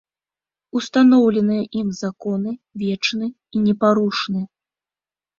Устаноўленыя ім законы вечны і непарушны.